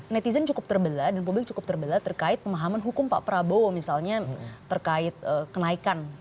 netizen cukup terbelah dan publik cukup terbelah terkait pemahaman hukum pak prabowo misalnya terkait kenaikan